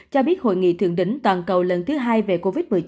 cho biết hội nghị thượng đỉnh toàn cầu lần thứ hai về covid một mươi chín